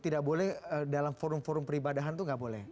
tidak boleh dalam forum forum peribadahan itu nggak boleh